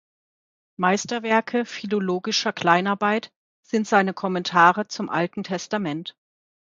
Meisterwerke philologischer Kleinarbeit sind seine Kommentare zum Alten Testament.